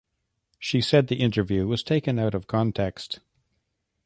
She said the interview was taken out of context.